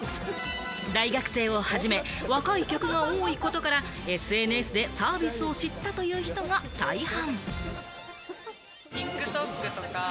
大学生をはじめ、若い客が多いことから、ＳＮＳでサービスを知ったという人が大半。